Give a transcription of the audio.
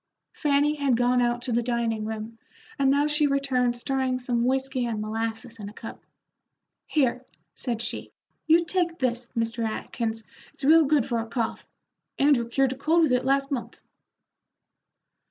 Fanny had gone out to the dining room, and now she returned stirring some whiskey and molasses in a cup. "Here," said she, "you take this, Mr. Atkins; it's real good for a cough. Andrew cured a cold with it last month."